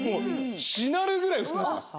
しなるぐらい薄くなってます。